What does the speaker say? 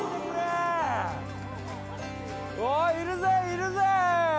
いるぜいるぜ！